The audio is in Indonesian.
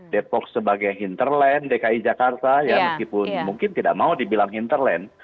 depok sebagai hinterland dki jakarta ya meskipun mungkin tidak mau dibilang hinterland